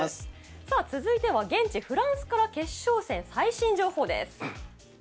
続いては、現地・フランスから決勝戦最新情報です。